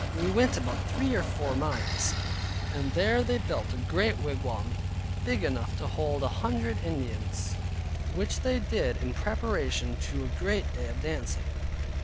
We went about three or four miles, and there they built a great wigwam, big enough to hold an hundred Indians, which they did in preparation to a great day of dancing.